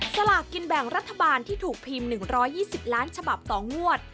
สลากกินแบ่งรัฐบาลที่ถูกพิมพ์๑๒๐ล้านฉบับต่องวด